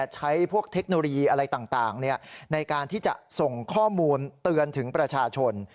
ใช้พวกเทคโนโลยีอะไรต่างในการที่จะส่งข้อมูลเตือนถึงประชาชน